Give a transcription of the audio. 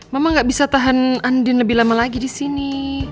mama gak bisa tahan andin lebih lama lagi di sini